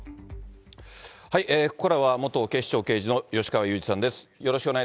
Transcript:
ここからは元警視庁刑事の吉川祐二さんです。